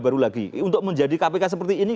baru lagi untuk menjadi kpk seperti ini